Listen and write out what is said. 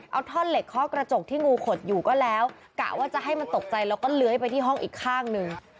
เอาท่อนเหล็กเคาะกระจกที่งูขดอยู่ก็แล้วกะว่าจะให้มันตกใจแล้วก็เลื้อยไปที่ห้องอีกข้างหนึ่ง